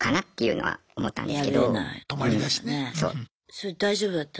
それ大丈夫だった？